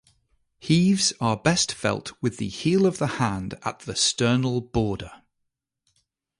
Heaves are best felt with the heel of the hand at the sternal border.